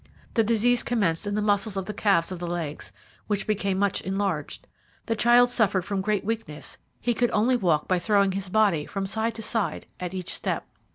The disease commenced in the muscles of the calves of the legs, which became much enlarged. The child suffered from great weakness he could only walk by throwing his body from side to side at each step.